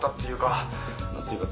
何ていうか。